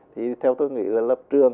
thì theo tôi nghĩ là lập trường